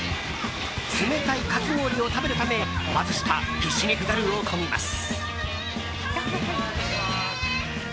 冷たいかき氷を食べるためマツシタ必死にペダルをこぎます。